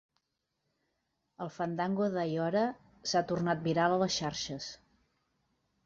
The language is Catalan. El fandango d'Aiora s'ha tornat viral a les xarxes.